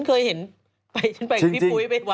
เดี๋ยวจะไปกับพี่ปุ๊บไปบัด